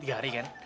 tiga hari kan